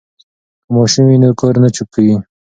که ماشوم وي نو کور نه چوپ کیږي.